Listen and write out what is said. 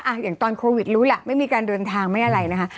อย่างตอนโควิดรู้แหละไม่มีการเดินทางไม่อะไรนะคะ